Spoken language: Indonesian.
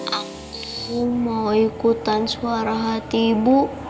aku mau ikutan suara hati ibu